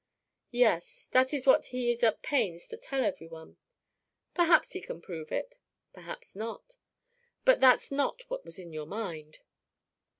"Yes, that is what he is at pains to tell every one. Perhaps he can prove it, perhaps not. But that's not what was in your mind."